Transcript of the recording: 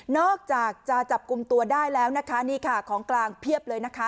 อกจากจะจับกลุ่มตัวได้แล้วนะคะนี่ค่ะของกลางเพียบเลยนะคะ